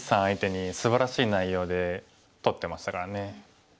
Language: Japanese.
相手にすばらしい内容で取ってましたからね。